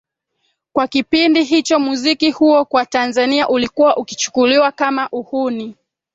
Kwa kipindi hicho muziki huo kwa tanzania ulikuwa ukichukuliwa Kama uhuni